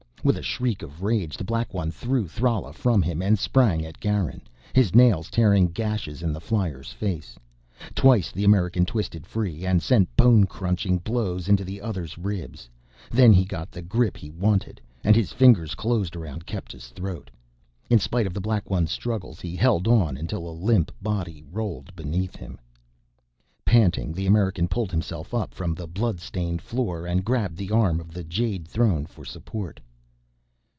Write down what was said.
With a shriek of rage the Black One threw Thrala from him and sprang at Garin, his nails tearing gashes in the flyer's face. Twice the American twisted free and sent bone crushing blows into the other's ribs. Then he got the grip he wanted, and his fingers closed around Kepta's throat. In spite of the Black One's struggles he held on until a limp body rolled beneath him. Panting, the American pulled himself up from the blood stained floor and grabbed the arm of the Jade Throne for support.